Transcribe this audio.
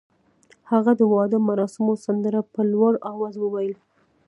هغې د واده مراسمو سندره په لوړ اواز وویل.